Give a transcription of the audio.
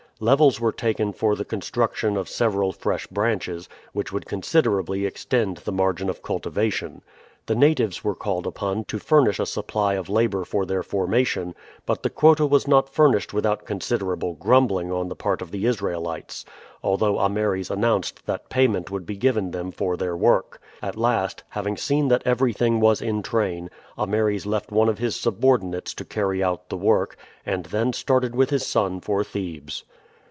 Levels were taken for the construction of several fresh branches, which would considerably extend the margin of cultivation. The natives were called upon to furnish a supply of labor for their formation; but the quota was not furnished without considerable grumbling on the part of the Israelites, although Ameres announced that payment would be given them for their work. At last, having seen that everything was in train, Ameres left one of his subordinates to carry out the work, and then started with his son for Thebes.